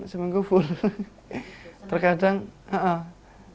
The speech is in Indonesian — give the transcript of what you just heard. seminggu kadang seminggu full